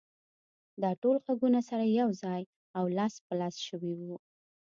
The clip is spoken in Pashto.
دا ټول غږونه سره يو ځای او لاس په لاس شوي وو.